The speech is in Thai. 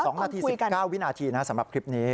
๒นาที๑๙วินาทีนะสำหรับคลิปนี้